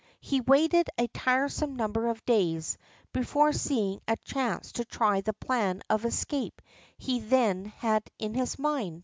He waited a tiresome number of days before seeing a chance to try the plan of escape he then had in mind.